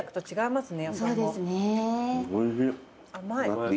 甘い。